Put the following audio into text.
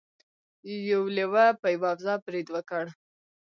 یو لیوه په یوه وزه برید وکړ.